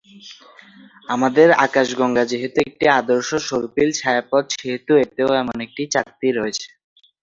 আমাদের আকাশগঙ্গা যেহেতু একটি আদর্শ সর্পিল ছায়াপথ সেহেতু এতেও এমন একটি চাকতি রয়েছে।